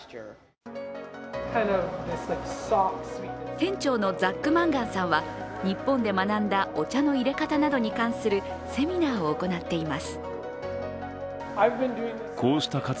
店長のザック・マンガンさんは日本で学んだお茶のいれ方などに関するセミナーを行っています。